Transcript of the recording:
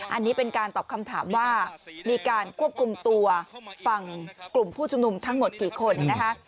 อันนี้เป็นการตอบคำถามว่ามีการควบคุมตัวฝั่งกลุ่มผู้ชุมนุมทั้งหมดกี่คนนะคะ